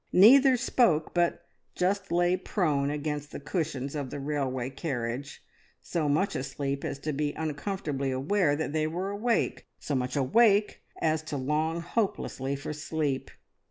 Neither spoke, but just lay prone against the cushions of the railway carriage, so much asleep as to be uncomfortably aware that they were awake, so much awake as to long hopelessly for sleep.